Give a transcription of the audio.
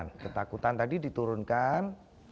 nah ketakutan tadi diturunkan